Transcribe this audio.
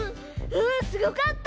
うんすごかった！